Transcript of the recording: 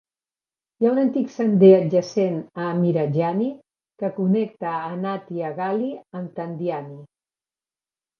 Hi ha un antic sender adjacent a Mirajani que connecta a Nathia Gali amb Thandiani.